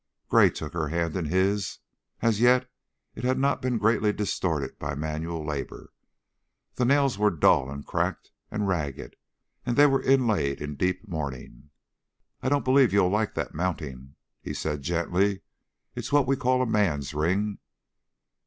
Gray took her hand in his; as yet it had not been greatly distorted by manual labor, but the nails were dull and cracked and ragged and they were inlaid in deep mourning. "I don't believe you'll like that mounting," he said, gently. "It's what we call a man's ring.